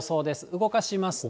動かしますと。